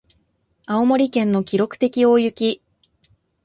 青森県の記録的大雪